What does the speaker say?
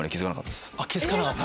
気付かなかった。